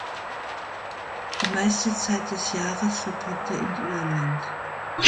Die meiste Zeit des Jahres verbringt er in Irland.